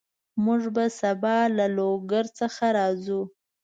موږ به سبا له لوګر څخه راځو